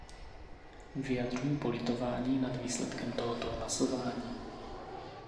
Vyjadřuji politování nad výsledkem tohoto hlasování.